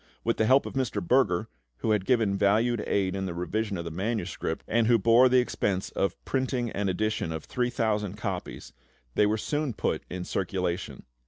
With the help of Mr. Berger, who had given valued aid in the revision of the manuscript, and who bore the expense of printing an edition of 3000 copies, they were soon put in circulation.